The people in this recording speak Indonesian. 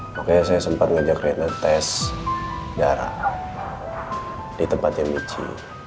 pokoknya saya sempat ngajak rena tes darah di tempatnya michi